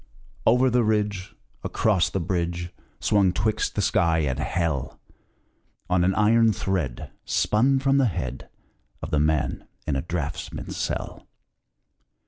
Over the ridge, Across the bridge, Swung twixt the sky and hell, On an iron thread Spun from the head Of the man in a draughtsman's cell.